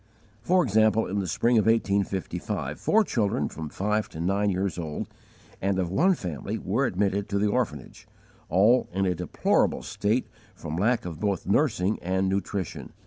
For example, in the spring of 1855, four children from five to nine years old, and of one family, were admitted to the orphanage, all in a deplorable state from lack of both nursing and nutrition.